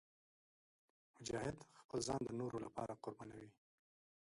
مجاهد خپل ځان د نورو لپاره قربانوي.